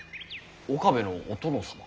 岡部のお殿様？